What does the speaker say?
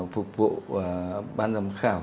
phục vụ ban giám khảo